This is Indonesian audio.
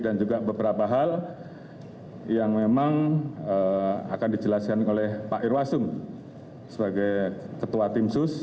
dan juga beberapa hal yang memang akan dijelaskan oleh pak irwasum sebagai ketua tim sus